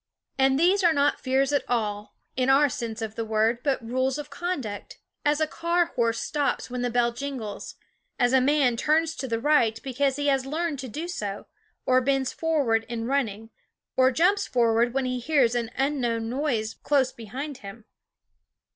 And these are not fears at all, in our sense of the word, but rules of conduct; as a car horse stops when the bell jingles ; as a man 9 SCHOOL OF ~ turns to the right, because he has learned to do so, or bends forward in running, or jumps forward when he hears an unknown noise close behind him.